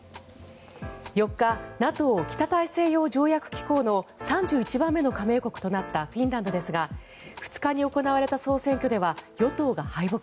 ４日ＮＡＴＯ・北大西洋条約機構の３１番目の加盟国となったフィンランドですが２日に行われた総選挙では与党が敗北。